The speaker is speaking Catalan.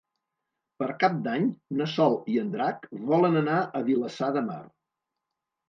Per Cap d'Any na Sol i en Drac volen anar a Vilassar de Mar.